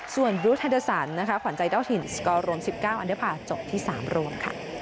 ส่วนบรูทฮัฏษันขวัญใจเต้าถิ่นสกอร์รวม๑๙อันเดอร์ภาคจบที่๓ร่วม